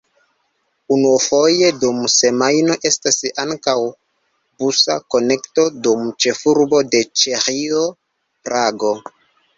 Unufoje dum semajno estas ankaŭ busa konekto kun ĉefurbo de Ĉeĥio, Prago.